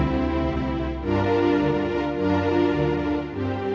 saudara pendengar yang setia